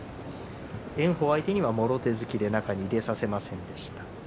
炎鵬相手にはもろ手突きで中に入れさせませんでした。